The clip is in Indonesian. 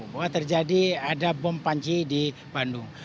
bahwa terjadi ada bom panci di bandung